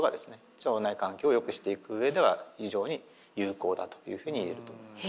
腸内環境をよくしていく上では非常に有効だというふうに言えると思います。